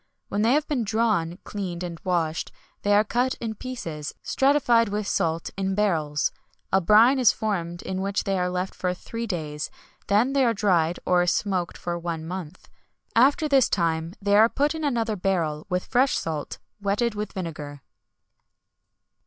When they have been drawn, cleaned, and washed, they are cut in pieces, stratified with salt, in barrels. A brine is formed in which they are left for three days, then they are dried or smoked for one month. After this time they are put in another barrel, with fresh salt, wetted with vinegar."